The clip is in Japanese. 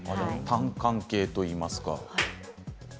単館系といいますか。